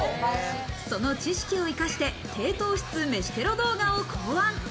その知識を生かして低糖質飯テロ動画を考案。